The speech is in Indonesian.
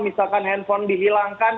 misalkan handphone dihilangkan